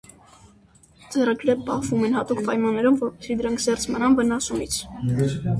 Ձեռագրերը պահվում են հատուկ պայմաններում, որպեսզի դրանք զերծ մնան վնասումից։